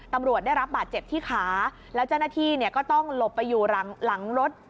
ตำรวจได้รับบาดเจ็บที่ขาแล้วเจ้าหน้าที่เนี่ยก็ต้องหลบไปอยู่หลังรถ